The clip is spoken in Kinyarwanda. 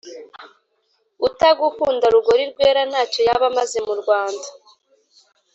Utagukunda Rugori rweraNtacyo yaba amaze mu Rwanda